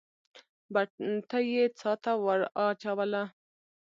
بتۍ يې څا ته ور واچوله.